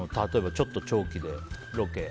ちょっと長期でロケ。